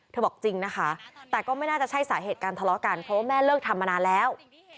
บอกจริงนะคะแต่ก็ไม่น่าจะใช่สาเหตุการทะเลาะกันเพราะว่าแม่เลิกทำมานานแล้ว